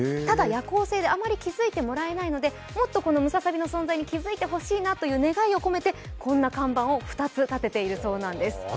ただ、夜行性であまり気付いてもらえないので、もっとこのムササビの存在に気づいてほしいなという願いを込めてこんな看板を２つ立てているそうなんです。